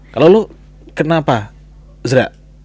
kalau lo kenapa zra